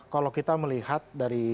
kalau kita melihat dari